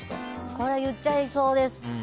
これ、言っちゃいそうです。